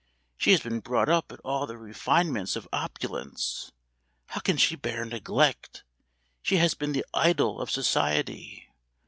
She has been brought up in all the refinements of opulence. How can she bear neglect? She has been the idol of society.